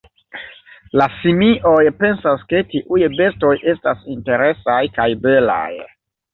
La simioj pensas ke tiuj bestoj estas interesaj kaj belaj.